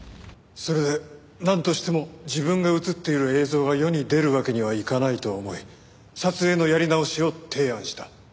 それでなんとしても自分が映っている映像が世に出るわけにはいかないと思い撮影のやり直しを提案した。